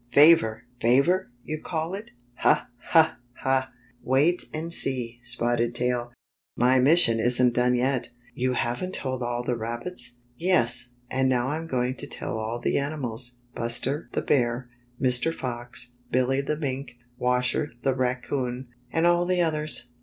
" Favor ! Favor, you call it ! Ha ! Ha ! Ha ! Wait and see. Spotted Tail. My mission isn't done yet." " You haven't told all the rabbits?" "Yes, and now I'm going to tell all the ani mals — Buster the Bear, Mr. Fox, Billy the Mink, Washer the Raccoon, and all the others.